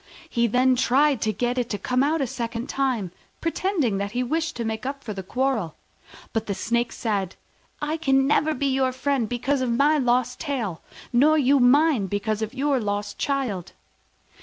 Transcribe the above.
He then tried to get it to come out a second time, pretending that he wished to make up the quarrel. But the Snake said, "I can never be your friend because of my lost tail, nor you mine because of your lost child."